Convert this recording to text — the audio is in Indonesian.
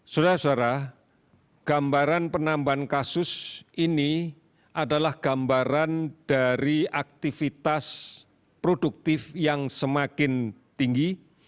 saudara saudara gambaran penambahan kasus ini adalah gambaran dari aktivitas produktif yang semakin tinggi